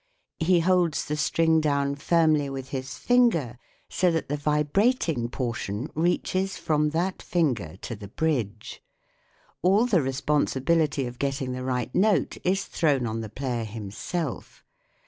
He holds the string down firmly with his finger so that the vibrating portion reaches from that finger to the bridge. All the responsibility of getting the right note is thrown on the player himself.